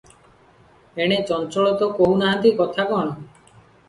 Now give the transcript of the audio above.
ଏଣେ ଚଞ୍ଚଳ ତ କହୁ ନାହାନ୍ତି, କଥା କଣ?